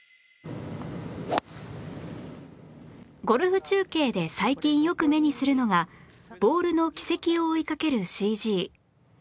ゴルフ中継で最近よく目にするのがボールの軌跡を追いかける ＣＧ